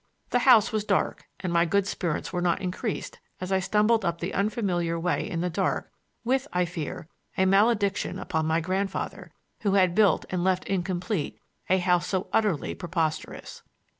The house was dark, and my good spirits were not increased as I stumbled up the unfamiliar way in the dark, with, I fear, a malediction upon my grandfather, who had built and left incomplete a house so utterly preposterous.